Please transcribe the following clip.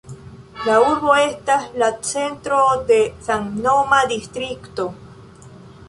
La urbo estas la centro de samnoma distrikto.